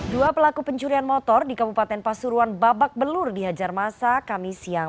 dua pelaku pencurian motor di kabupaten pasuruan babak belur dihajar masa kami siang